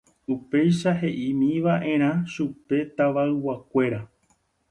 Upéicha he'ímiva'erã chupe tavayguakuéra.